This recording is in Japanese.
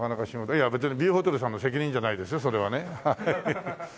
いや別にビューホテルさんの責任じゃないですよそれはね。